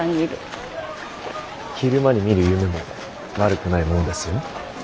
昼間にみる夢も悪くないものですよ。